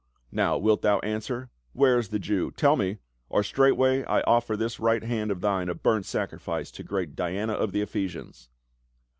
Now wilt thou answer ? Where is the Jew ? Tell me, or straightway I offer this right hand of thine a burnt sacrifice to great Diana of the Ephesians."